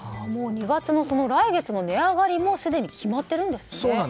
もう２月の来月の値上がりもすでに決まっているんですね。